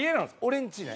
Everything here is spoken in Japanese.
俺んちね。